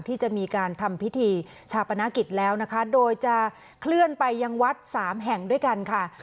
ที่จะมีการทำพิธีชาปนกิจแล้วนะคะโดยจะเคลื่อนไปยังวัดสามแห่งด้วยกันค่ะ